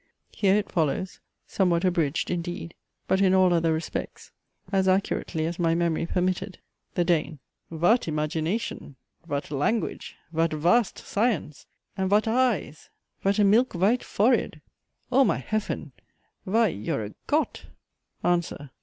Here it follows, somewhat abridged, indeed, but in all other respects as accurately as my memory permitted. THE DANE. Vat imagination! vat language! vat vast science! and vat eyes! vat a milk vite forehead! O my heafen! vy, you're a Got! ANSWER.